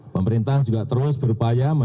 pemerintah juga terus berupaya mencari informasi